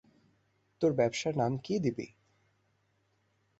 তোর ব্যবসার নাম কী দিবি?